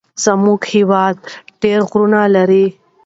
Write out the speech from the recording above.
زمونږ هيواد ډير غرونه لري.